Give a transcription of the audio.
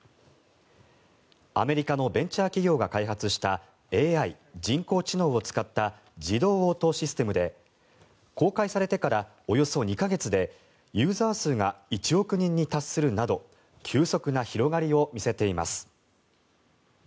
アメリカのベンチャー企業が開発したＡＩ・人工知能を使った自動応答システムで公開されてからおよそ２か月でユーザー数が１億人に達するなど急速な広がりを見せています。